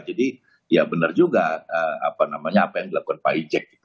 jadi ya benar juga apa namanya apa yang dilakukan pak ijek